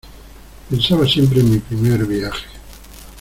pensaba siempre en mi primer viaje.